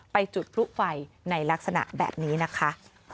ไปจุดพลุไฟในลักษณะแบบนี้นะคะ